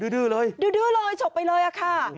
ดื้อเลยดื้อเลยฉกไปเลยค่ะ